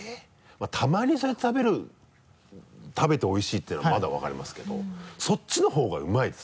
まぁたまにそうやって食べておいしいっていうのはまだ分かりますけどそっちの方がうまいですか？